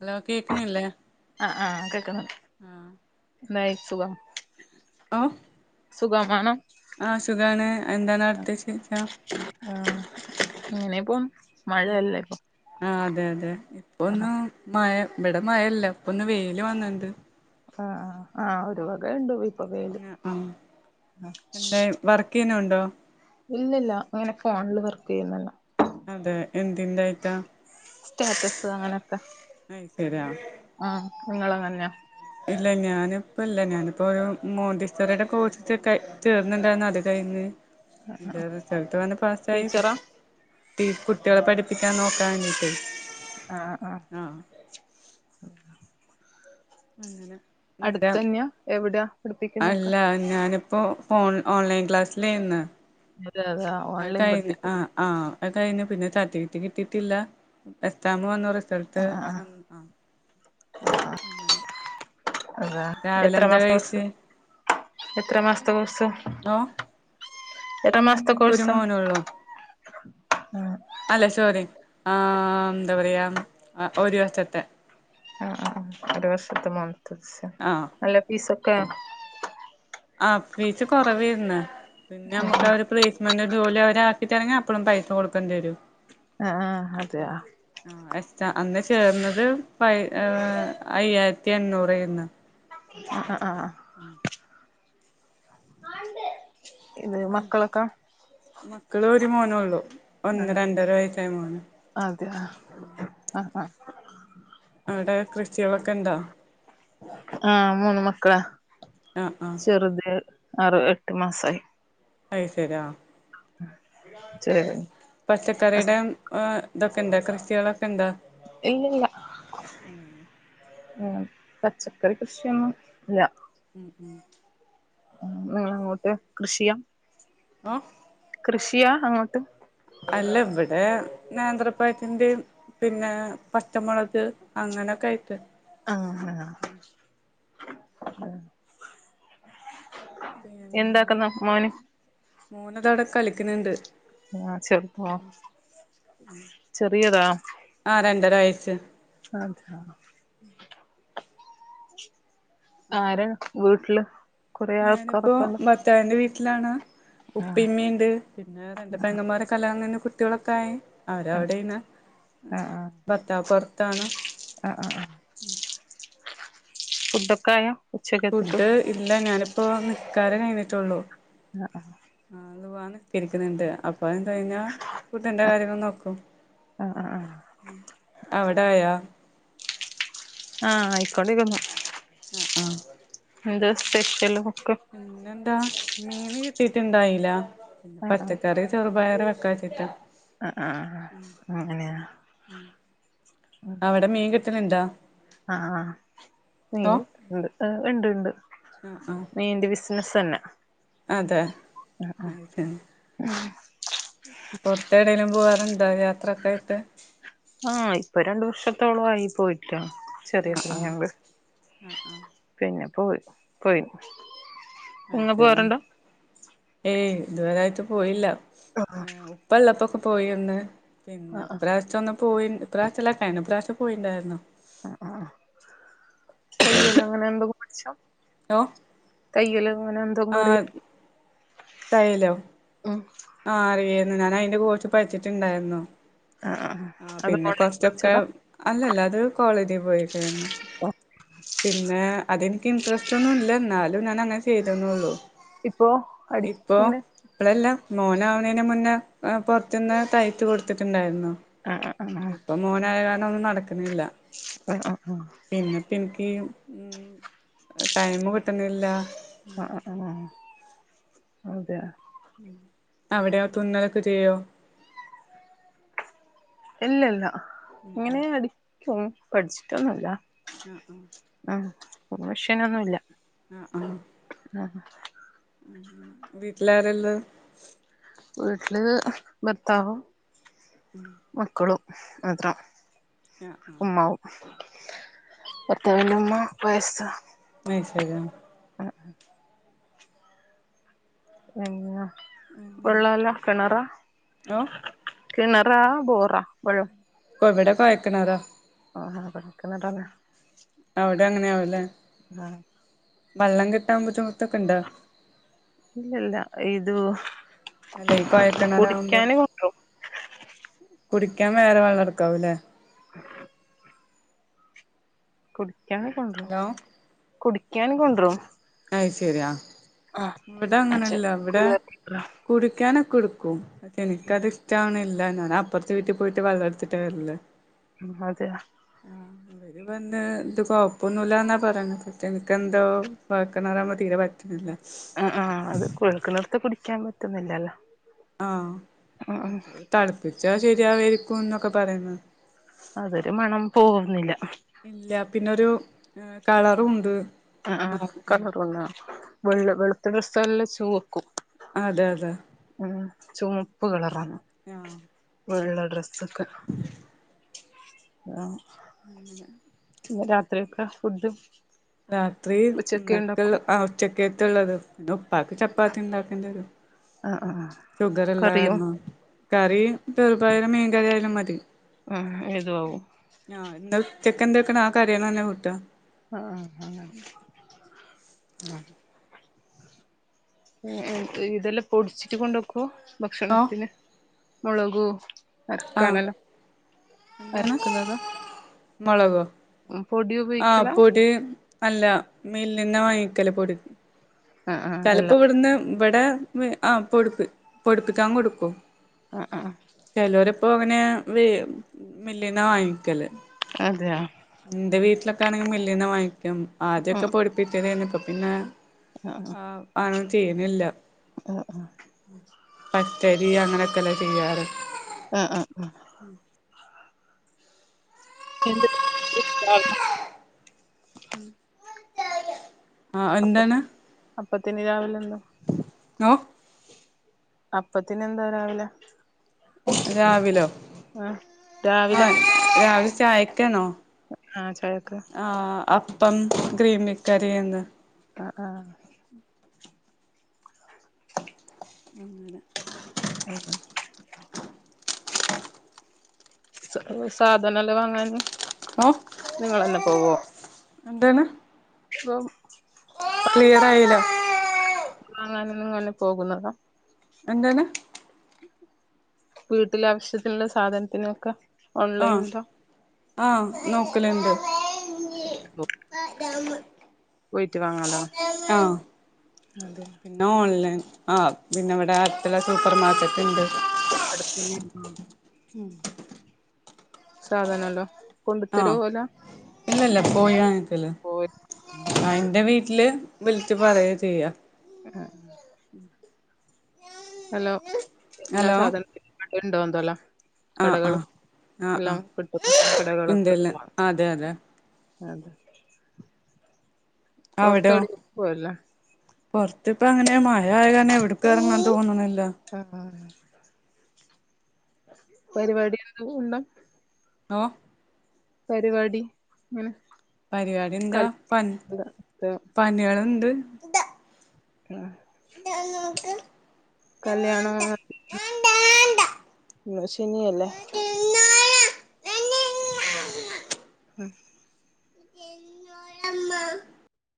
Hello കേക്കണില്ലേ ആഹ് ആഹ് കേക്കുന്നുണ്ട് എന്തായി സുഖം ഒ സുഖമാണ് ആഹ് സുഖാണ് എന്താണ് അടുത്തേ വിശേഷം ആ ഇന്നിപ്പൊ മഴയല്ലേ ഇപ്പൊ ആഹ് അതെ അതെ ആഹ് ഇപ്പൊന്നും മഴ ഇവിടെ മഴല്ല ഇപ്പൊന്ന് വെയില് വന്നണ്ട് ആഹ് ആഹ് ഒരു വക ഉണ്ട് പോയി ആഹ് ആഹ് എന്തായി വർക്ക് ചെയന്ന് ഉണ്ടോ ഇല്ലില്ല ഇങ്ങനെ ഫോണിൽ വർക്ക് ചെയ്യുന്നല്ല അതെ എതിൻ്റെ ആയിട്ടാ സ്റ്റാറ്റസ് അങ്ങനെയൊക്കെ അത് ശരിയാ ആ നിങ്ങളങ്ങനെയ ഇല്ല ഞാനിപ്പ ഇല്ല ഞാനിപ്പോൾ ഒരു മോണ്ടിസ്റ്റ റിടെ കോഴ്സൊക്കെ ചേർന്നണ്ടായിന്ന് അത് കഴിഞ്ഞ് എന്റെ റിസൾട്ട് വന്ന് പാസ്സായി ടീച്ചറാ കുട്ടികളെ പഠിപ്പിക്കാൻ നോക്കാഞ്ഞ്ട്ട് ആഹ് ആഹ് ആഹ് അങ്ങനെ അടുത്ത ഇന്നലെ തന്നെയാ എവിടെയാ പഠപ്പിക്കുന്നൊക്കെ ഞാനിപ്പോൾ ഓൺ ഓൺലൈൻ ക്ലാസ്സലെന്നു അതെ അതെ അത് ഓൺലൈൻ കഴിഞ്ഞു പഠിപ്പിക്കൽ ആഹ് ആഹ് അത് കഴിഞ് പിന്നെ സർട്ടിഫിക്കറ്റ് കിട്ടിയിട്ടില്ല എസ്താാം വന്ന ത്തടുത്ത് ആഹ് ആഹ് ആഹ് വന്ന് ആ അങ്ങാണ് അതാ എത്ര മാസ ത്തെ കൊർസ കഴിച്ചേ എത്ര മാസത്തെ കൊർസ [unintelligible] എത്ര മാസത്തെ എനിക്കൊരു കൊർസാ മോനൊള്ളൂ അല്ല സോറി ആഹ് എന്താ പറയാ ഒരു വർഷത്തെ ആഹ് ആഹ് ഒരു വർഷത്തെ മൻ തച്ച ആഹ് അല്ലാത്തിസൊക്കെ ആ ഫീസ് കൊറവെരന്ന് പിന്നെ നമുക്ക് അവര് പ്ലേസ്മെന്റ് ജോലി അവ കിട്ടാണങ്ങി അപ്പഴും പൈസ കൊടുക്കേണ്ടിവരും ആഹ് ആഹ് അതെയൊ ആ എസ് അന്ന് ചേർന്നത് പ അയ്യായിരത്തി എണ്ണൂറായിരുന്ന് ആഹ് ആഹ് ഉം [unintelligible] ഇത് ആഹ് മക്കളൊക്കെ മക്കള് ഒരു മോന ഉള്ളു ആ ഒന്ന് രണ്ടര വയസ്സായ മോന്- അതെ ആഹ് ആഹ് അവിടെ കൃഷികളൊക്കെ ഇണ്ടോ? ആഹ് മൂന്ന് മക്കളാ ആഹ് ആഹ് ചെറുത് ആറു എട്ട് മാസമായി അയി ശരിയാ ചെറിയ കുഞ്ഞ് പച്ചക്കറിയുടെ- ആഹ് ഇതൊക്കെ ഇണ്ട് ക്രിസ്ത്യള ഒക്കെ ഇണ്ട്? ഇല്ല ഇല്ല- പച്ചക്കറി കൃഷിയൊന്നും ഇല്ല- ഉം ഉം. നിങ്ങ അങ്ങോട്ട് കൃഷിയാ ആഹ് കൃഷിയാ അങ്ങോട്ട് അല്ല ഇവിടെ നേത്രപ്പഴത്തിന്റെയും പിന്നെ പച്ചമുളക് അങ്ങനെയൊക്കെ ആയിട്ട് ആഹ് ആഹ് പിന്നെ എന്താക്കുന്നു മോന്? മോന് താടെ കളിക്കുന്നുണ്ട്- ആഹ് ചെറുപ്പോ ചെറിയതാ- ആഹ് രണ്ടര വയസ് ആഹ് ആരാണ് വീട്ടില്? കൊറേ ഞാനിപ്പോ ആൾക്കാരൊക്കെ ഉണ്ട് ഭർത്താവിന്റെ വീട്ടിലാണ് ആഹ് ഉപ്പിമ്മിണ്ട്. രണ്ട് പെങ്ങന്മാരെ കല്യാണം കഴിഞ്ഞപോ കുട്ടികളൊക്കായി ആഹ് അവരവിടേന്ന് ആഹ് ഭത്താവ് പുറത്താണ്- ആഹ് ആഹ് ആഹ് ഫുഡൊക്കെ ആയോ? ഫുഡ് ഇല്ല ഞാനിപ്പോ നിക്കാരം കഴിഞ്ഞിട്ടുള്ളൂ. ആഹ് ആഹ് ആഹ് ളുഹാ നിക്കരിക്കുന്നുണ്ട്- അപ്പോൾ എന്ത കഴിഞ്ഞാൽ ഫുഡിൻ്റെ കാര്യങ്ങൾ നോക്കും. ആഹ് ആഹ് ആഹ് അവിടായാ? ആഹ് ആയിക്കൊണ്ടിരിക്കുന്നു. ആഹ് ആഹ് എന്താ സ്പെഷ്യൽ ഒക്ക്? ഇന്നെന്താ മീന് കിട്ടിയിട്ട് ഇണ്ടായില്ല ആഹ് ആഹ് പച്ചക്കറി ചെറുപയറ് വെക്കാചിട്ടാ ആഹ് ആഹ് അങ്ങനെയ- അവടെ മീൻ കിട്ടല്ണ്ടാ? ആഹ് ആഹ് മീന് ണ്ട് ഉണ്ട് ഉണ്ട് ആഹ് ആഹ് മീന്റെ വി [unintelligible] അതെ [unintelligible] എടെങ്കിലും പോകാറുണ്ടോ യാത്രൊക്കെ ആയിട്ട്? ആഹ് ഇപ്പൊ രണ്ടു വർഷത്തോളായി പോയിട്ട്. ചെറിയ ആഹ് ആഹ് കുഞ്ഞുണ്ട് ആഹ് ആഹ് പിന്നെ പോയി പോയിന് അതെ ഏയ് ഇതുവരായിട്ട് പോയില്ല- പ്പള്ളപ്പൊക്കെ പോയിന്ന് പിന്നെ ആഹ് ആഹ് ഇപ്രാവശ്യം ഒന്ന് പോയി ഇപ്രാവശ്യല്ല കഴിഞ്ഞ പ്രാവശ്യം പോയിണ്ടായിരുന്നു. ആഹ് ആഹ് തയ്യലോ അങ്ങെനെ എന്തൊക്കെ പഠ്ച്ചോ ലോ തയ്യല് ങ്ങനെ എന്തൊങ്കും അറ്യോ തയ്യലോ ഉം ആഹ് അറിയായ്ര്ന്നു ഞാൻ അയ -ന്റെ കോഴ്സ് പഠിച്ചിട്ട്ണ്ടായിര്ന്നു ആ ആ ആഹ് അത് പിന്നെ ഓൺലൈൻ കൊർച്ചൊക്കെ പഠിച്ചതാ അല്ലല്ലാ അത് കോളേജി പോയെക്കേര്ന്ന് പിന്നെ അതെനിക്ക് ഇൻട്രെസ്റ്റാെന്നുല്ല ന്നാലും ഞാൻ അങ്ങെനെ ചെയ്തെന്നൊള്ളു ഇപ്പോ അടി ഇപ്പോ ഇങ്ങനെ ഇപ്പളല്ലാ മോനാവ്ണേന്റെ മുന്നേ ഏഹ് പൊർത്ത്ന്നെ തയ്ച് കൊട്ത്തിട്ട്ണ്ടായ്ര്ന്നു ആ ആ ആ ഇപ്പം മോനായ കാരണം ഒന്നും നടക്ക്ണില്ലാ ആ ആ പിന്നെപ്പം ഇൻക്ക് ഉം ടൈമും കിട്ട്ണില്ലാ അഹ് അഹ് അഹ് അതെയാ അവിടെയാേ തുന്നലൊക്കെ ചെയ്യോ ഇല്ലല്ലാ ഇങ്ങെനെ അടിക്കും പഠിച്ചിട്ടൊന്നുംല്ല ആഹ് ആഹ് ആഹ് പ്രൊമോഷനൊന്നു ഇല്ല ആഹ് ആഹ് ആഹ് വീട്ടിലാരാള്ളെ വീട്ട്ല് ഭർത്താവും ഉം മക്കളും മാത്രം ആ ആ ഉമ്മാവും ഭർത്താവിന്റെ ഉമ്മ വയസ്സാ വെയ്സായ്താ അഹ് പിന്നെ അങ്ങനെ വെള്ളൊല്ലാ കെണെറാ ഓ കിണെറാ ബോറാ വെള്ളം ഇപ്പം ഇവിടെ കൊഴക്കിണറാ ആഹാ കൊയൽക്കിണറാണ് അവിടെം അങ്ങെനെയാവുല്ലെ ആഹ് വള്ളം കിട്ടാൻ ബുദ്ധിമുട്ടൊക്കെണ്ടോ ഇല്ലല്ല ഇതു അല്ലേ ഈ കൊഴക്കിണറാവുമ്പോ കൊണ്ടരും കുടിക്കാൻ വേറെ വെള്ളം എട്ക്കാവും ലേ കുടിക്കാൻ കൊണ്ട്രും ഹലോ കുടിക്കാൻ കൊണ്ട്രും അയ്സെരി ആഹ് ഇവ്ടെ അച്ഛൻ അങ്ങെനെല്ലാ വ്ടേ കുടിക്കാനൊക്കെട്ക്കും പക്ഷെ എനിക്കത് ഇഷ്ടാവ്ണില്ല ഞാന പ്പർത്തെ വീട്ടി പോയിട്ട് വള്ളട്ത്തിട്ട് വര്ലാ ഉം അതെയാ ആഹ് വര് വന്ന് ഇത് കൊപ്പൊന്നുല്ലാന്നാ പറീണെത് പറ്റേ ൻക്കെന്തോ കൊഴക്കിണറാവുമ്പോ തീരെ പറ്റ്ണ്ല്ലാ ഉം ഉം അത് കുഴൽക്കിണറ്ത്തെ കുടിക്കാൻ പറ്റ്ന്നില്ലല്ലാ ആഹ് ത് തൾപ്പിച്ചാ ശെരിയാവേയ്രിക്കും ന്നൊക്കെ പറയ്ന്ന് അതൊരു മണം പോവുന്നില്ലാ ഇല്ല പിന്നൊരു ഏഹ് കളറൂണ്ട് ആഹ് ആഹ് കളറ് വെള്ളാ വെൾ വെൾത്തെ ഡ്രെസ്സെല്ലാം ചുവക്കും അതെ അതെ ഉം ചുമപ്പ് കളറാണ് ആഹ് വെള്ള ഡ്രസ് സുഖം ആഹ് ഇന്ന് രാ ത്രയൊക്ക ഫുഡ്‌ രാത്രി ന്നക്ക് ആഹ് ഉച്ചക്കേത്തുള്ളത് ന്നും പ്പാക്ക് ചപ്പാത്തി ണ്ടാക്കേണ്ടി വരും ആഹ് ആഹ് ഷുഗറ് ഉള്ള കറിയും കാരണം കറി ചെറുപായറും മീൻകറി ആയാലും മതി മ്മ് ഇതു ആവും ആ ഇന്നൽ ചിക്കന്റെക്കണ ആ കറികള് തന്നെ കൂട്ടുവ ആഹ് അങ്ങനെ ആഹ് ഉം ഉം ഇതെല്ലാ പൊടിച്ചിട്ട് കൊണ്ടക്കും ഓഹ് ഭക്ഷണത്തിന് മൊളകു നല കടല എന്താന്ന് മൊളകോ പൊടി ആഹ് ഉപയോഗിക്കല പൊടി അല്ല മില്ലിന്നാ വാങ്ങിക്കല് പൊടി ആ ആ ചെലപ്പോ എല്ലാം ഇവിടുന്ന് ഇവിടെ ആ പൊടിപ്പ് പൊടുപ്പിക്കാൻ കൊടുക്കും ആഹ് ആഹ് ചെലോരിപ്പം അങ്ങനെ വീ മില്ലീന്നാ വാങ്ങിക്കല് അതെയ ഇന്റെ വീട്ടിലൊക്കെ ആണെങ്കി മില്ലീന്ന് വാങ്ങിക്കും ആ ആദ്യൊക്കെ പൊടിപ്പിക്കലേ ന്ന് ഇപ്പം പിന്നെ ആഹ് അങ്ങന ചെയ്യ്ണ്ല്ല ഉം ഉം പച്ചരി അങ്ങനെയൊക്കെ ല്ലെ ചെയ്യാറ് ആഹ് ആഹ് മ് ഉം എന്റെ [unintelligible] ഉം അപ്പത്തി അപ്പത്തിനി രാവില എന്താ ന്നോ അപ്പത്തിന് എന്താ രാവിലെ രാവിലോ ആ രാവിലെ ആഹ് രാവില ചായക്കണോ ആഹ് ചായക്ക് ആ അപ്പംഗ്ര രീമിക്കറി ഏന്ന് ആഹ് ആഹ് അങ്ങനെ ഹാ ഹാ സ സാധനല്ലാം വാങ്ങാന് ഓ നിങ്ങളന്നെ എന്താണ് ബമ് ക്ലിയർ ആയില വാങ്ങാന് നിങ്ങനെ പോകുന്നതാ എന്താണ് വീട്ടില ആവശ്യത്തിനുള്ള സാധനത്തിനൊക്കെ ആഹ് ഓൺലൈനിലോ ആഹ് നേക്കലണ്ട് ന്നു ആ ഡമ പോയിട്ട് വങ്ങാലോ അതെ പിന്ന ഓൺലൈൻ ആഹ് പിന്നെ ഇവിടെ അട്ത്ത്ള്ള സൂപ്പർ മാർക്കറ്റ് ഇണ്ട് അട്ത്തന്നെണേ സാധനണ്ടോ കൊണ്ടു ആഹ് തരുവോ ഓല ഇല്ലല്ല പോയി വാങ്ങിക്കല് ആഹ് എന്റെ വീട്ടില് വിളിച്ച് പറയ ചെയ്യ ആഹ് ഹലേ എല്ലാ ഹലോ സാധനത്തി [inaudible] ഉണ്ടോ എന്തോല്ലോ ആഹ് ആഹ് കടകളും ആഹ് എല്ലാം ആഹ് കിട്ടുന്ന ഇണ്ടല്ലേ കടകളൊക്കൊണ് അതെ അതെ അതെ അവിടോ പൊറത്തടിം പോയില്ലേ? പൊറത്തിപ്പ അങ്ങനെ മഴ ആയ കാരണേ എവ്ട്ക്ക് എറങ്ങാൻ തോന്ന്ണില്ല. [unintelligible] പരിപാടി [unintelligible] [unintelligible] പരിപാടി ഹും പരിപാടി എന്താ പൻ പന്നിള്ണ്ട്. ആഹ് [inaudible] കല്യാണം ശനിയല്ലേ ഹും എന്നോരമ്മ